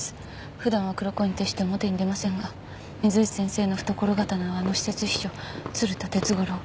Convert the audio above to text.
普段は黒子に徹して表に出ませんが水内先生の懐刀はあの私設秘書鶴田哲五郎。